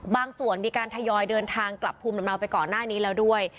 ส่วนมีการทยอยเดินทางกลับภูมิลำเนาไปก่อนหน้านี้แล้วด้วย